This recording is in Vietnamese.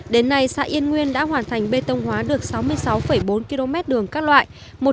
đến nay xã yên nguyên đã hoàn thành bê tông hóa được sáu mươi sáu bốn km đường các loại